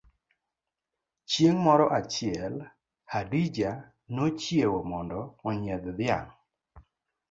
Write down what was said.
Chieng' moro achiel, Hadija nochiewo mondo onyiedh dhiang.